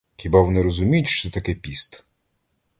Хіба вони розуміють, що таке піст?